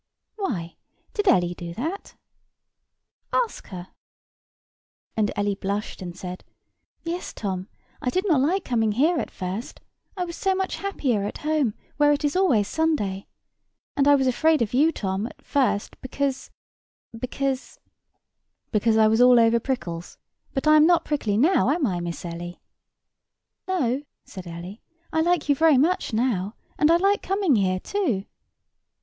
"Why, did Ellie do that?" "Ask her." And Ellie blushed, and said, "Yes, Tom; I did not like coming here at first; I was so much happier at home, where it is always Sunday. And I was afraid of you, Tom, at first, because—because—" "Because I was all over prickles? But I am not prickly now, am I, Miss Ellie?" "No," said Ellie. "I like you very much now; and I like coming here, too."